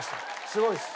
すごいです。